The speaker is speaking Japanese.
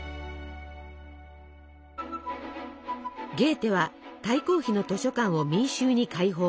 ゲーテは大公妃の図書館を民衆に開放。